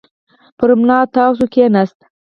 پر ملا تاو شو، کېناست.